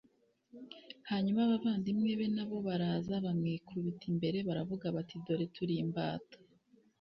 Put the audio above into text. hanyuma abavandimwe be na bo baraza bamwikubita imbere baravuga bati dore turi imbata